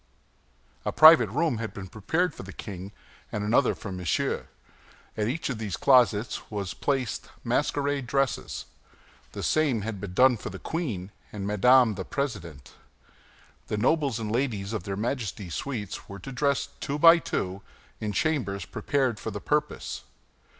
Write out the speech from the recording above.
A private room had been prepared for the king and another for Monsieur. In each of these closets were placed masquerade dresses. The same had been done for the queen and Madame the President. The nobles and ladies of their Majesties' suites were to dress, two by two, in chambers prepared for the purpose.